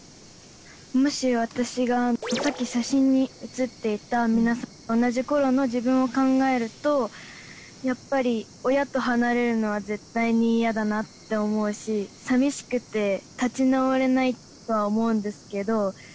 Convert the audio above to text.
もし私がさっき写真に写っていたみんなと同じ頃の自分を考えるとやっぱり親と離れるのは絶対に嫌だなって思うしさみしくて立ち直れないとは思うんですけど。